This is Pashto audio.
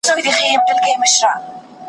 دا څو بیتونه مي، په ډېر تلوار !.